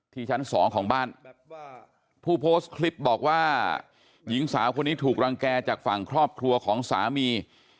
ชั้นสองของบ้านผู้โพสต์คลิปบอกว่าหญิงสาวคนนี้ถูกรังแก่จากฝั่งครอบครัวของสามี